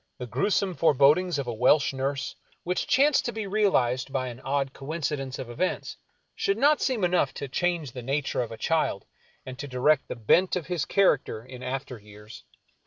The grewsome forebodings of a Welsh nurse, which chanced to be realized 29 American Mystery Stories by an odd coincidence of events, should not seem enough to change the nature of a child and to direct the bent of his character in after years.